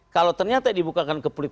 kalau ternyata dibukakan ke publik